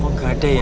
kok gak ada ya